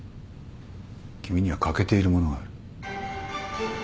君には欠けているものがある。